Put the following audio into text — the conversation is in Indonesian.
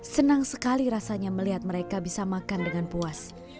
senang sekali rasanya melihat mereka bisa makan dengan puas